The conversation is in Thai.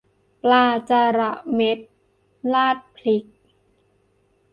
ปลาจะละเม็ดราดพริก